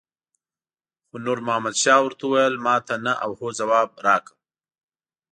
خو نور محمد شاه ورته وویل ماته نه او هو ځواب راکړه.